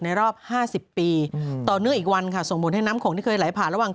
รอบ๕๐ปีต่อเนื่องอีกวันค่ะส่งผลให้น้ำโขงที่เคยไหลผ่านระหว่าง